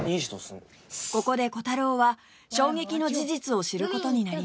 ここでコタローは衝撃の事実を知る事になります